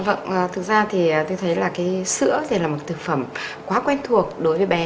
vâng thực ra thì tôi thấy là sữa là một thực phẩm quá quen thuộc đối với bé